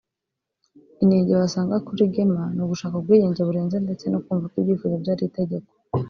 Inenge wasanga kuri Gemma ni ugushaka ubwigenge burenze ndetse no kumva ko ibyifuzo bye ari itegeko